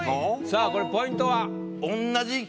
さあこれポイントは？